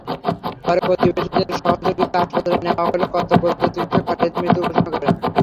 পরে প্রতিবেশীদের সহযোগিতায় হাসপাতালে নেওয়া হলে কর্তব্যরত চিকিৎসক খালিদকে মৃত ঘোষণা করেন।